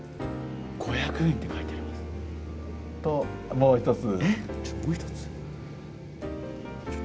もう一つ。